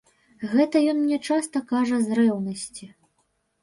Гэта ён мне часта кажа з рэўнасці.